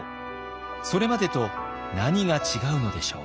それまでと何が違うのでしょう？